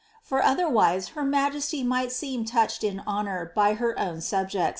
For otherwise her majesty ini^ht seern touched in honour by her own subject?